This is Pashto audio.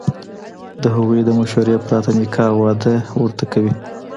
د هغوی د مشورې پرته نکاح او واده ورته کوي،